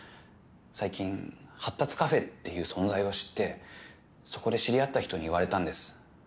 最近発達カフェっていう存在を知ってそこで知り合った人に言われたんです。